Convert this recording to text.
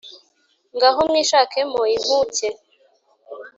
Ngaho mwishakemo inkuke!